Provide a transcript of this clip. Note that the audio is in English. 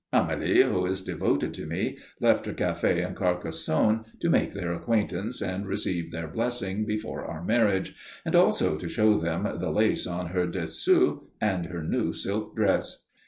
Amélie, who is devoted to me, left her café in Carcassonne to make their acquaintance and receive their blessing before our marriage, also to show them the lace on her dessous and her new silk dress.